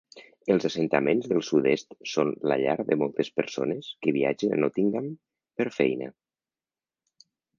Els assentaments del sud-est són la llar de moltes persones que viatgen a Nottingham per feina.